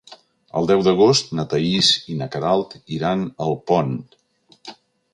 El deu d'agost na Thaís i na Queralt iran a Alpont.